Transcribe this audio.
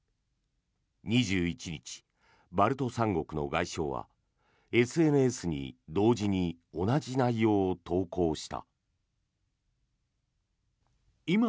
２１日、バルト三国の外相はＳＮＳに同時に同じ内容を投稿した。